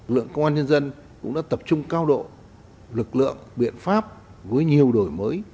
lượng công an nhân dân cũng đã tập trung cao độ lực lượng biện pháp với nhiều đổi mới